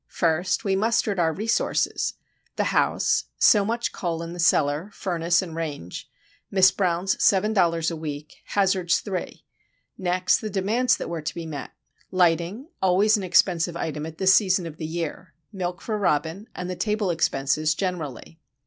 First, we mustered our resources,—the house; so much coal in the cellar, furnace, and range; Miss Brown's seven dollars a week, Hazard's three: next, the demands that were to be met,—lighting (always an expensive item at this season of the year); milk for Robin; and the table expenses generally.